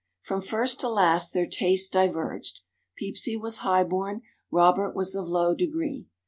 From first to last their tastes diverged; Peepsy was high born, Robert was of low degree.